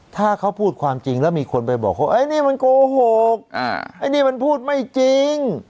ถ้าเขาพูดความจริงแล้วมีคนไปบอกเขาไอ้นี่มันโกหกไอ้นี่มันพูดไม่จริง